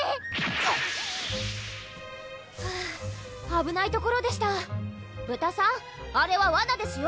⁉クッフゥあぶないところでした豚さんあれはわなですよ？